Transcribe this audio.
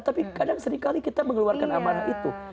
tapi kadang seringkali kita mengeluarkan amarah itu